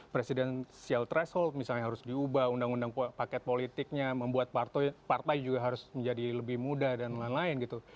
presidensial threshold misalnya harus diubah undang undang paket politiknya membuat partai juga harus menjadi lebih muda dan lain lain gitu